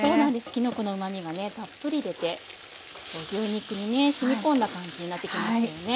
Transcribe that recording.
きのこのうまみがねたっぷり出て牛肉にねしみ込んだ感じになってきましたよね。